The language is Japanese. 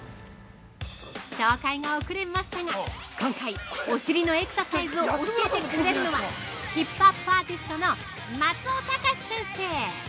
◆紹介がおくれましたが、今回お尻のエクササイズを教えてくれるのはヒップアップアーティストの松尾タカシ先生。